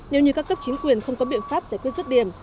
nếu như các cấp chính quyền không có biện pháp giải quyết rứt điểm